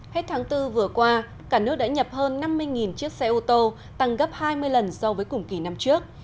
hết tháng bốn vừa qua cả nước đã nhập hơn năm mươi chiếc xe ô tô tăng gấp hai mươi lần so với cùng kỳ năm trước